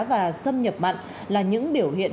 và xâm nhập mặn là những biểu hiện